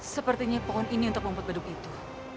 sepertinya pohon ini untuk membuat beduk itu